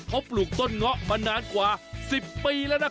เขาปลูกต้นเงาะมานานกว่า๑๐ปีแล้วนะครับ